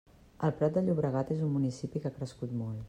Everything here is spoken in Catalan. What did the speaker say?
El Prat de Llobregat és un municipi que ha crescut molt.